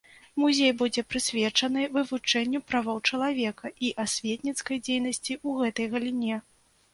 Музей будзе прысвечаны вывучэнню правоў чалавека і асветніцкай дзейнасці ў гэтай галіне.